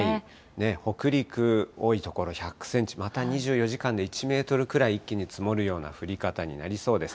北陸、多い所１００センチ、また２４時間で１メートルくらい一気に積もるような降り方になりそうです。